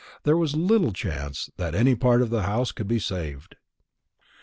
There was little chance that any part of the house could be saved.